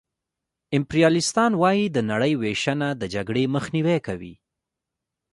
امپریالیستان وايي د نړۍ وېشنه د جګړې مخنیوی کوي